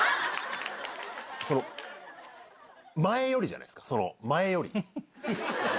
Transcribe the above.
その、前よりじゃないですか、前より。